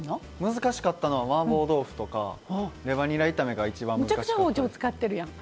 難しかったのはマーボー豆腐とかレバニラ炒めが一番難しかったです。